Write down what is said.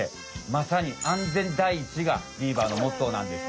まさに安全第一がビーバーのモットーなんですよ。